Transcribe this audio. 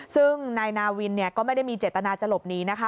ซึ่งนายนาวินก็ไม่ได้มีเจตนาจะหลบหนีนะคะ